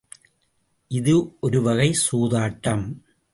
இது ஒருவகைச் சூதாட்டம்!